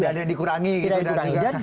tidak ada yang dikurangi